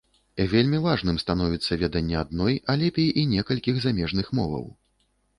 Вельмі важным становіцца веданне адной, а лепей і некалькіх замежных моваў.